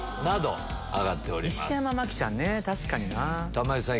玉井さん